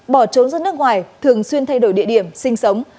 bỏ trốn ra nước ngoài thường xuyên thay đổi địa điểm sinh sống